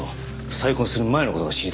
再婚する前の事が知りたいんです。